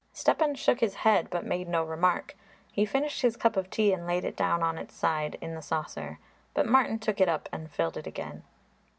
Stepan shook his head, but made no remark. He finished his cup of tea and laid it down on its side in the saucer, but Martin took it up and filled it again.